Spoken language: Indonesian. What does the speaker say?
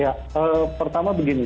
ya pertama begini